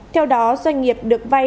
theo đó doanh nghiệp được vay